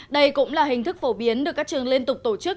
đây cũng là hình thức phổ biến được các trường liên tục tổ chức